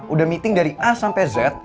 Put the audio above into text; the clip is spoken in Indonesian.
udah meeting dari a sampai z